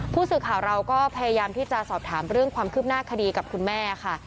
ผู้สื่อข่าวเราก็พยายามที่จะสอบถามเรื่องความคืบหน้าคดีกับคุณแม่ค่ะ